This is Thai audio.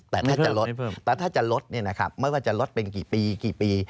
แต่ถ้าจะลดแต่ถ้าจะลดไม่ว่าจะลดเป็นกี่ปีกี่ปี